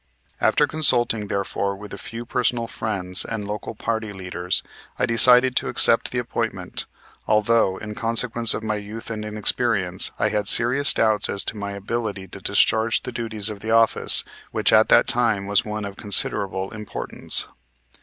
After consulting, therefore, with a few personal friends and local party leaders, I decided to accept the appointment although, in consequence of my youth and inexperience, I had serious doubts as to my ability to discharge the duties of the office which at that time was one of considerable importance.